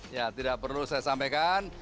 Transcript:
ya tidak perlu saya sampaikan